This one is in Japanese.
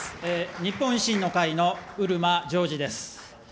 日本維新の会の漆間譲司です。